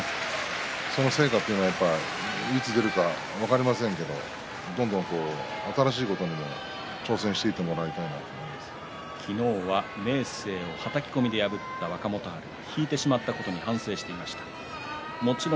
その成果はいつ出るか分かりませんけれどもどんどん新しいことにも挑戦して昨日は明生をはたき込みで破った若元春引いてしまったことを反省してました。